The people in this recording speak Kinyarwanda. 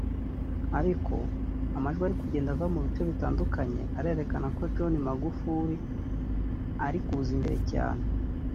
ariko amajwi ari kugenda ava mu bice bitandukanye arerekana ko John Magufuli ari kuza imbere cyane